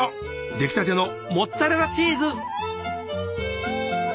できたてのモッツアレラチーズ！